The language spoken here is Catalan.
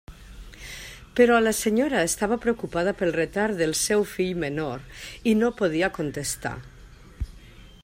Però la senyora estava preocupada pel retard del seu fill menor i no podia contestar.